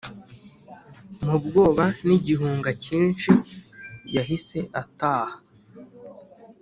mu bwoba nigihunga cyinshi yahise ataha.